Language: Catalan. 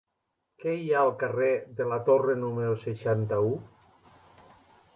Què hi ha al carrer de la Torre número seixanta-u?